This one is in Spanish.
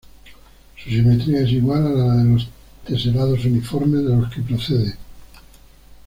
Su simetría es igual a la de los teselados uniformes de los que proceden.